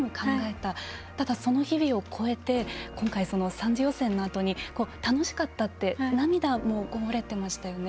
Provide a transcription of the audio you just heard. ただ、その日々を越えて、今回３次予選のあとに楽しかったって涙もこぼれていましたよね。